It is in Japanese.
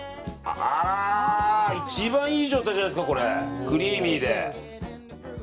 一番いい状態じゃないですかクリーミーで。